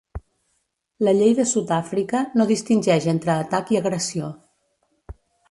La llei de Sud-Àfrica no distingeix entre atac i agressió.